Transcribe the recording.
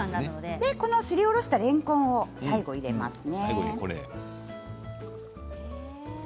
すりおろしたれんこんも最後に入れますね。